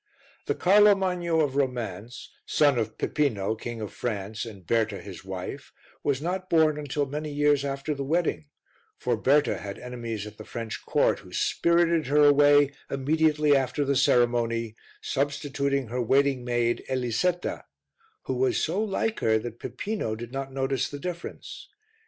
The Carlo Magno of romance, son of Pipino, King of France, and Berta, his wife, was not born until many years after the wedding; for Berta had enemies at the French Court who spirited her away immediately after the ceremony, substituting her waiting maid, Elisetta, who was so like her that Pipino did not notice the difference.